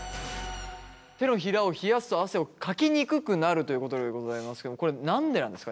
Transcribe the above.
手のひらを冷やすと汗をかきにくくなるということでございますけどもこれ何でなんですか？